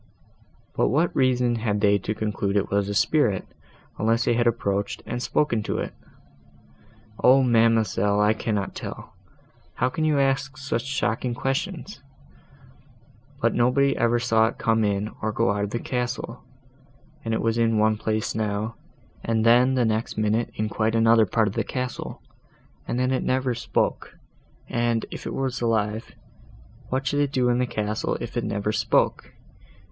"But what reason had they to conclude it was a spirit, unless they had approached, and spoken to it?" "O ma'amselle, I cannot tell. How can you ask such shocking questions? But nobody ever saw it come in, or go out of the castle; and it was in one place now, and then the next minute in quite another part of the castle; and then it never spoke, and, if it was alive, what should it do in the castle if it never spoke?